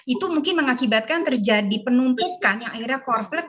itu mungkin mengakibatkan terjadi penumpukan yang akhirnya korslet